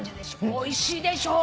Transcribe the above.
おいしいでしょ？